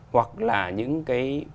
hoặc là những cái bất động sản